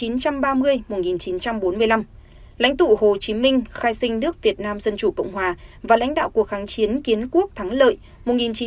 lãnh tụ hồ chí minh khai sinh nước việt nam dân chủ cộng hòa và lãnh đạo cuộc kháng chiến kiến quốc thắng lợi một nghìn chín trăm bốn mươi năm một nghìn chín trăm năm mươi bốn